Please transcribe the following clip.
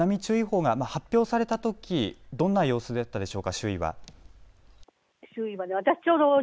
改めてなんですが津波注意報が発表されたときどんな様子だったでしょうか、周囲は。